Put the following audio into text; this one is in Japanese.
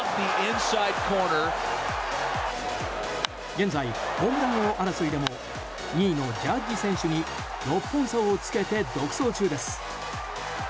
現在、ホームラン王争いでも２位のジャッジ選手に６本差をつけて独走中です。